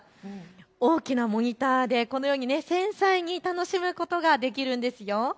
大きなモニターでこのように繊細に楽しむことができるんですよ。